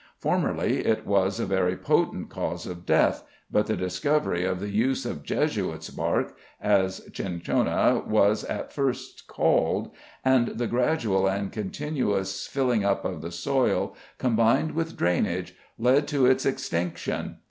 Formerly it was a very potent cause of death, but the discovery of the use of "Jesuits' Bark," as Cinchona was at first called, and the gradual and continuous filling up of the soil, combined with drainage, led to its extinction.